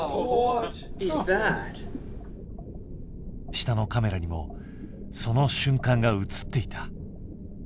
下のカメラにもその瞬間が映っていた。